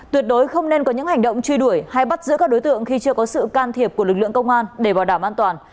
tuyệt đối không nên có những hành động truy đuổi hay bắt giữ các đối tượng khi chưa có sự can thiệp của lực lượng công an để bảo đảm an toàn